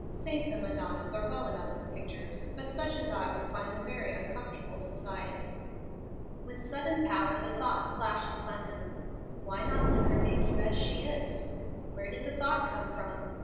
Saints and Madonnas are well enough in pictures, but such as I would find them very uncomfortable society." With sudden power the thought flashed upon him, "Why not let her make you as she is?" Where did the thought come from?